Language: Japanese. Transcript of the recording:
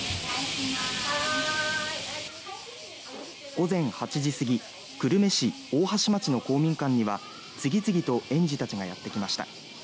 午前８時過ぎ久留米市大橋町の公民館には次々と園児たちがやってきました。